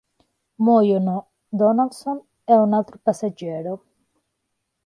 Muoiono Donaldson e un altro passeggero.